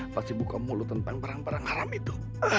pasti buka mulut tentang perang perang haram itu